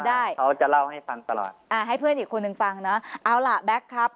ได้เขาจะเล่าให้ฟังตลอดอ่าให้เพื่อนอีกคนนึงฟังนะเอาล่ะแบ็คครับ